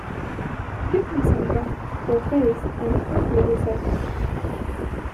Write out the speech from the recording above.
"Get me some gum or paste, and quickly," he said.